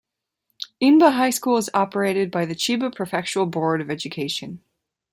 Inba High School is operated by the Chiba Prefectural Board of Education.